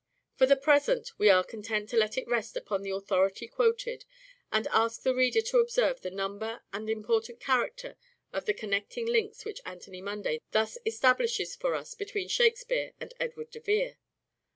For the present we are content to let it rest upon the authority quoted, and ask the reader to observe the number and the important character of the connecting links which Anthony Munday thus establishes for us between Shakespeare and Edward de Vere.